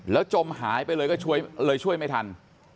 แล้วจมหายไปเลยก็เลยช่วยไม่ทัน